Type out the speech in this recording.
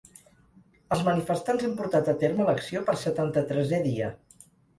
Els manifestants han portat a terme l’acció per setanta-tresè dia.